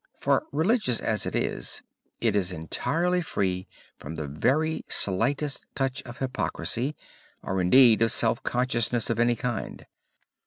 For, religious as it is, it is entirely free from the very slightest touch of hypocrisy or, indeed, of self consciousness of any kind.